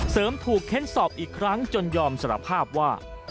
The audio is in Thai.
เสริมถูกเค้นสอบอีกครั้งจนยอมสารภาพว่า